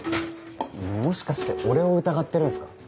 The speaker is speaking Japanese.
もしかして俺を疑ってるんですか？